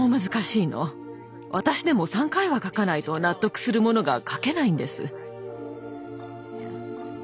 私でも３回は描かないと納得するものが描けないんです。